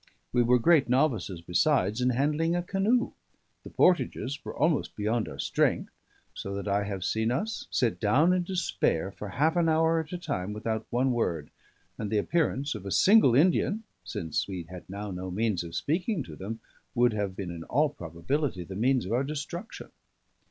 We were great novices, besides, in handling a canoe; the portages were almost beyond our strength, so that I have seen us sit down in despair for half an hour at a time without one word; and the appearance of a single Indian, since we had now no means of speaking to them, would have been in all probability the means of our destruction.